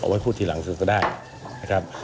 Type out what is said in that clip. เอาไว้พูดทีหลังซึ่งก็ได้นะครับ